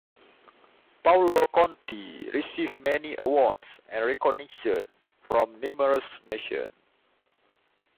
Paolo Conte received many awards and recognitions from numerous nations.